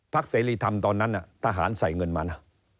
เสรีธรรมตอนนั้นทหารใส่เงินมานะ